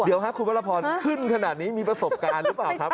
เดี๋ยวครับคุณวรพรขึ้นขนาดนี้มีประสบการณ์หรือเปล่าครับ